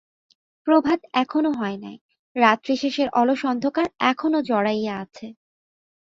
প্রভাত এখনও হয় নাই, রাত্রিশেষের অলস অন্ধকার এখনও জড়াইয়া আছে।